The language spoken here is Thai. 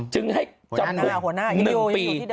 จึงให้จำคุก๑ปี